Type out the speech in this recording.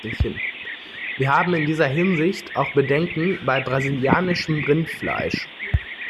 Wir haben in dieser Hinsicht auch Bedenken bei brasilianischem Rindfleisch.